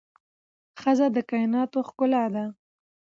ښځه د کائناتو ښکلا ده